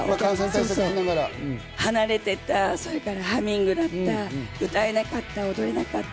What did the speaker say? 離れてた、ハミングだった、歌えなかった、踊れなかった。